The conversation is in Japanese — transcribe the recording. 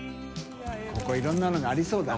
海いろんなのがありそうだな。